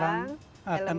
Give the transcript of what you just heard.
yang lebih terang